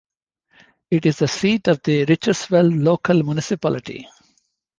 It is the seat of the Richtersveld Local Municipality.